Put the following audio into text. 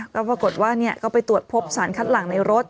ก็ปรากฏว่าก็ไปตรวจพบสารคัดหลังในรถ